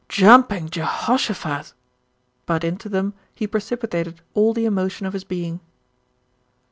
"Jumping Je hosh o phat!"; but into them he precipitated all the emotion of his being.